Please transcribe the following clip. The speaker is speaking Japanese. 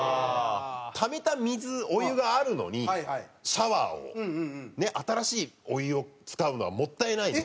ためた水お湯があるのにシャワーをね新しいお湯を使うのはもったいないので。